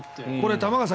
玉川さん